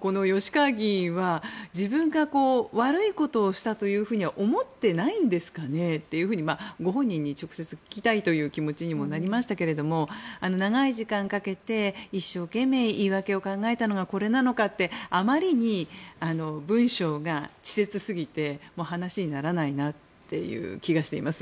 この吉川議員は自分が悪いことをしたとは思ってないんですかねとご本人に直接聞きたいという気持ちにもなりましたが長い時間をかけて一生懸命言い訳を考えたのがこれなのかってあまりに文章が稚拙すぎて話にならないなっていう気がしています。